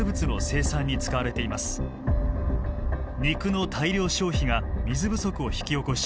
肉の大量消費が水不足を引き起こし